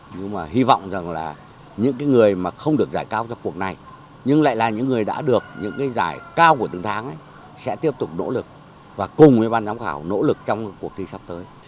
nhưng mà hy vọng rằng là những người mà không được giải cao cho cuộc này nhưng lại là những người đã được những cái giải cao của từng tháng sẽ tiếp tục nỗ lực và cùng với ban giám khảo nỗ lực trong cuộc thi sắp tới